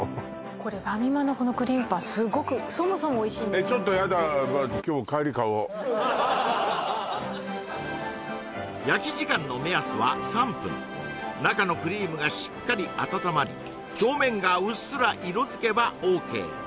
これファミマのこのクリームパンすっごくそもそもおいしいんですよえっちょっとヤダ焼き時間の目安は３分中のクリームがしっかり温まり表面がうっすら色づけばＯＫ